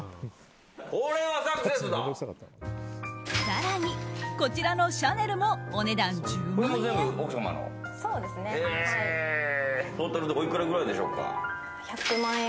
更に、こちらのシャネルもお値段１０万円。